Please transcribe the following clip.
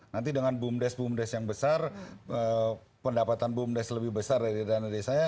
nanti dengan boomdes yang besar pendapatan boomdes yang lebih besar dari dana desa ya